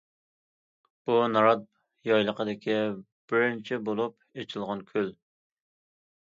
بۇ، نارات يايلىقىدىكى بىرىنچى بولۇپ ئېچىلىدىغان گۈل.